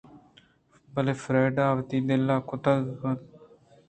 بلئے فریڈا ءَ وتی دل ءِکُتگ اَنت